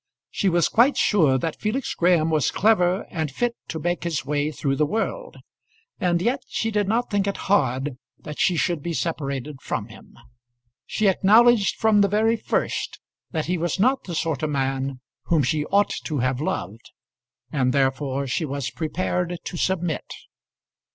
She was quite sure that Felix Graham was clever and fit to make his way through the world. And yet she did not think it hard that she should be separated from him. She acknowledged from the very first that he was not the sort of man whom she ought to have loved, and therefore she was prepared to submit.